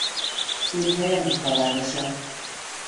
Székhelye Mekka városa.